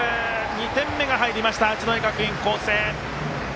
２点目が入りました八戸学院光星。